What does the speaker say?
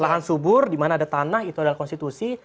lahan subur di mana ada tanah itu adalah konstitusi